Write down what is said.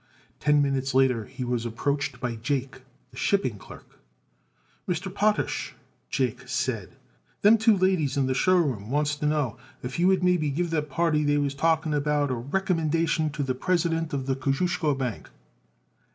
Ten minutes later he was approached by Jake, the shipping clerk. "Mr. Potash," Jake said, "them two ladies in the show room wants to know if you would maybe give that party they was talking about a recommendation to the President of the Kosciusko Bank?"